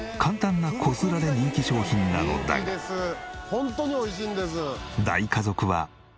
ホントに美味しいんです。